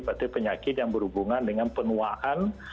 berarti penyakit yang berhubungan dengan penuaan